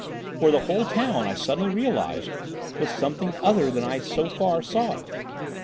"For the whole town, I suddenly realised, was something other than I so far saw it.